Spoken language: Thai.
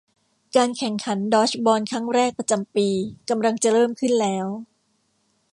การแข่งขันดอดจ์บอลครั้งแรกประจำปีกำลังจะเริ่มขึ้นแล้ว